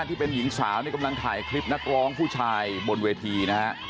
ที่เป็นหญิงสาวนี่กำลังถ่ายคลิปนักร้องผู้ชายบนเวทีนะฮะ